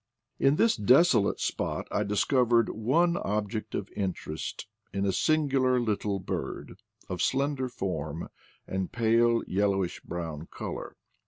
In this desolate spot I discovered one object of interest in a singular little bird, of slender form and pale yellowish brown color.